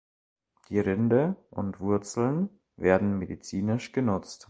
Die Rinde und Wurzeln werden medizinisch genutzt.